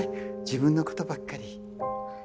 自分のことばっかり。